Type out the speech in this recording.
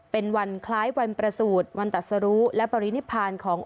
เป็นวันคล้ายวันประสูจน์วันตัดสรุและปรินิพานของ